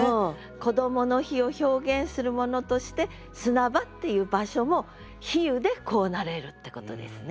「こどもの日」を表現するものとして砂場っていう場所も比喩でこうなれるってことですね。